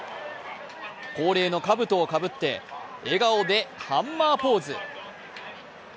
恒例のかぶとをかぶって笑顔でハンマーポーズ。